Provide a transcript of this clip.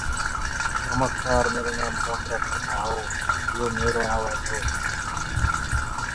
He spent his youth in Westphalia and in Magdeburg.